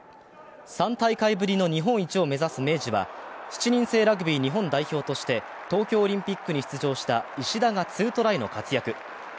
３大会ぶりの日本一を目指す明治は７人制ラグビー日本代表として東京オリンピックに出場した石田がツートライの活躍。